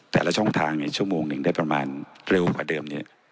แต่ละช่องทางชั่วโมงหนึ่งได้ประมาณเร็วกว่าเดิมเนี่ย